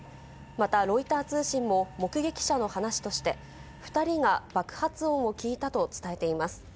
また、ロイター通信も、目撃者の話として、２人が爆発音を聞いたと伝えています。